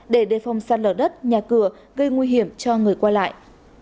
để đề phong săn lở đất nhà cửa gây nguy hiểm cho người qua lại